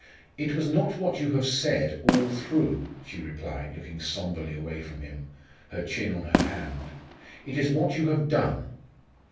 "It was not what you have said all through," she replied, looking sombrely away from him, her chin on her hand, "it is what you have done."